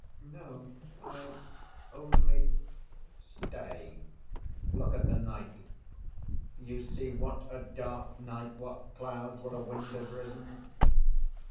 "No—I only—" "Stay. Look at the night. You see what a dark night, what clouds, what a wind has risen.